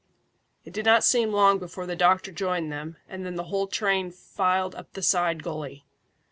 It did not seem long before the doctor joined them, and then the whole train filed up the side gully.